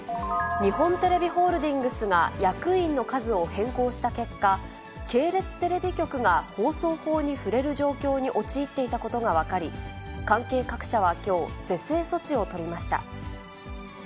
日本テレビホールディングスが役員の数を変更した結果、系列テレビ局が放送法に触れる状況に陥っていたことが分かり、関係各社はきょう、是正措置を取りました。